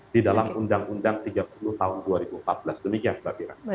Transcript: di dalam undang undang tiga puluh tahun dua ribu empat belas demikian mbak pira